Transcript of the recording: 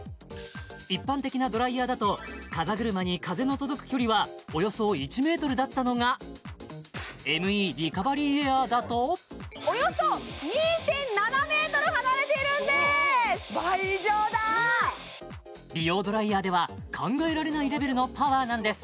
一般的なドライヤーだと風車に風の届く距離はおよそ１ｍだったのがＭＥリカバリーエアーだとおよそ２．７ｍ離れているんです倍以上だ美容ドライヤーでは考えられないレベルのパワーなんです